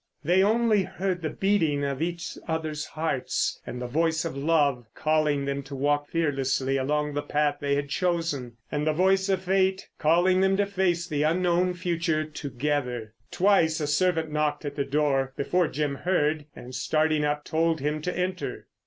They only heard the beating of each other's hearts and the voice of Love calling them to walk fearlessly along the path they had chosen. And the voice of Fate calling them to face the unknown future together. Twice a servant knocked at the door before Jim heard, and starting up told him to enter.